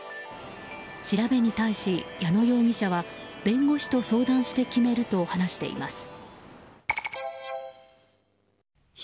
調べに対し、矢野容疑者は弁護して相談して決めると話しています。